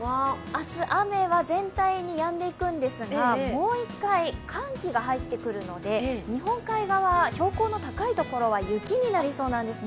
明日、雨は全体にやんでいくんですが、もう一回、寒気が入ってくるので、日本海側は標高の高いところは雪になりそうなんですね。